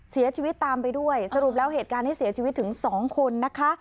เสียชีวิตตามไปด้วยสรุปแล้วเหตุการณ์นี้เสียชีวิตถึง๒คนนะคะ